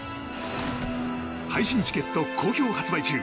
配信チケット好評発売中。